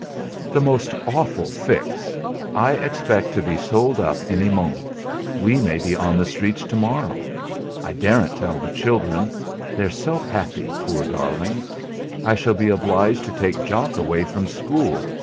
"The most awful fix. I expect to be sold up any moment. We may be on the streets to morrow. I daren't tell the children; they're so happy, poor darlings. I shall be obliged to take Jock away from school.